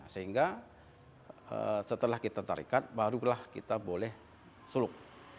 sehingga setelah kita tarikat barulah kita boleh suluk